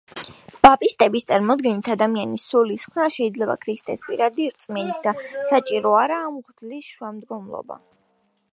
ბაპტისტების წარმოდგენით ადამიანის სულის ხსნა შეიძლება ქრისტეს პირადი რწმენით და საჭირო არაა მღვდელის შუამდგომლობა.